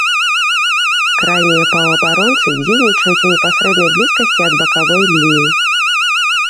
Крайнія паўабаронцы дзейнічаюць у непасрэднай блізкасці ад бакавой лініі.